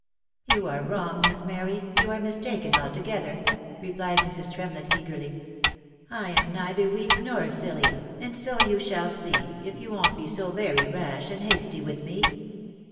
" You are wrong, Miss Mary — you are mistaken altogether," re plied Mrs. Tremlett, eagerly. «' I am neither weak nor silly, and so you shall see, if you won't be so very rash and hasty with me."